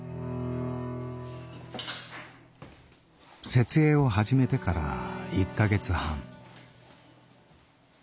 設営を始めてから１か月半。